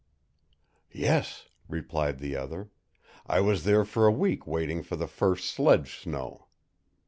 "Yes," replied the other, "I was there for a week waiting for the first sledge snow."